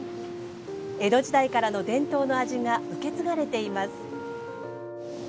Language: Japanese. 江戸時代からの伝統の味が受け継がれています。